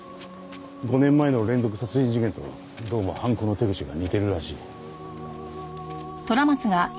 ５年前の連続殺人事件とどうも犯行の手口が似てるらしい。